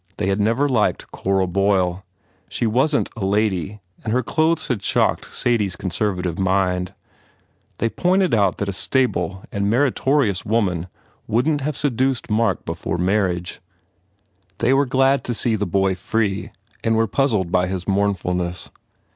They had never liked Cora Boyle. She wasn t a lady and her clothes had shocked Sadie s conservative mind. They 25 THE FAIR REWARDS pointed out that a stable and meritorious woman wouldn t have seduced Mark before marriage. They were glad to see the boy free and were puz zled by his mournfulness.